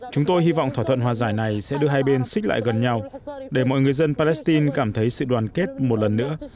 chúng tôi hy vọng thỏa thuận hòa giải này sẽ đưa hai bên xích lại gần nhau để mọi người dân palestine cảm thấy sự đoàn kết một lần nữa